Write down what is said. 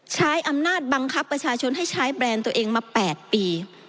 ใช้อำนาจบังคับประชาชนให้ใช้แบรนด์ตัวเองมา๘ปี